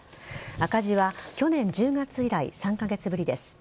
赤字は去年１０月以来３カ月ぶりです。